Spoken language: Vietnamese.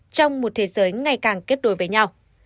trong một thế giới ngày càng kết nối với nhau